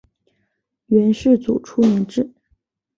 元世祖初年置。